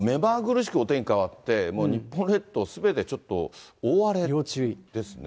目まぐるしくお天気変わって、もう日本列島、すべて、ちょっと大荒れ。ですね。